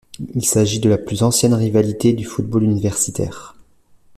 Il s'agit de la plus ancienne rivalité du football universitaire.